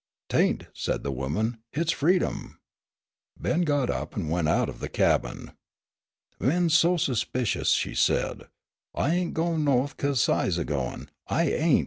"'Tain't," said the woman. "Hit's freedom." Ben got up and went out of the cabin. "Men's so 'spicious," she said. "I ain' goin' Nawth 'cause Si's a goin' I ain't."